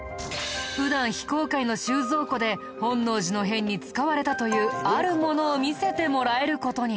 普段非公開の収蔵庫で本能寺の変に使われたというあるものを見せてもらえる事に。